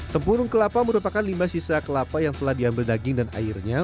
tempurung kelapa merupakan limbah sisa kelapa yang telah diambil daging dan airnya